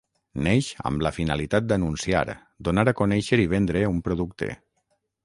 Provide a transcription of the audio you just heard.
Neix amb la finalitat d'anunciar, donar a conèixer i vendre un producte.